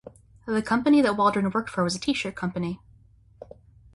The company that Wauldron worked for was a T-shirt company.